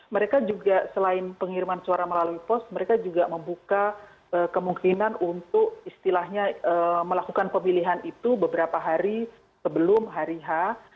mereka juga selain pengiriman suara melalui pos mereka juga membuka kemungkinan untuk istilahnya melakukan pemilihan itu beberapa hari sebelum hari h